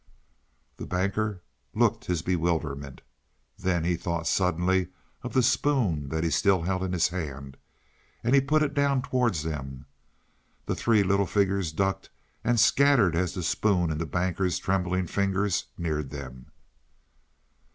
The Banker looked his bewilderment. Then he thought suddenly of the spoon that he still held in his hand, and he put it down towards them. The three little figures ducked and scattered as the spoon in the Banker's trembling fingers neared them.